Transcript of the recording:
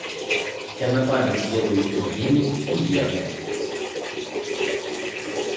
Я на памяць ведаю і гімн, і герб.